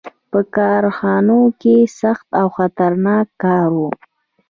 • په کارخانو کې سخت او خطرناک کار و.